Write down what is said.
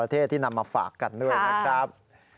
เทศที่นำมาฝากกันด้วยนะครับ